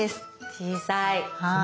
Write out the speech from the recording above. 小さい。